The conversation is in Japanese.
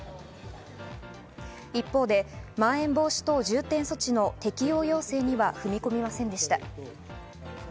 一方でまん延防止等重点措置の適用要請には踏み込みませんでした。